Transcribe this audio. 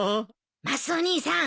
マスオ兄さん